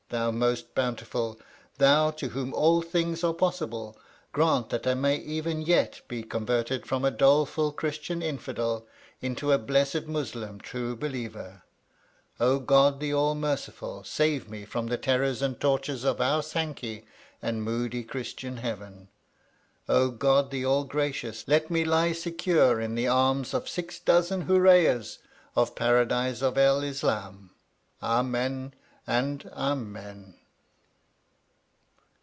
Thou most Bountiful! Thou to whom all things are possible! grant that I may even yet be converted from a doleful Christian infidel into a blessed Muslim true believer! O God the All merciful, save me from the terrors and tortures of our Sankey and Moody Christian heaven! O God the All gracious, let me lie secure in the arms of six dozen hooreeyehs of Paradise of El Islam! Amen, and Amen.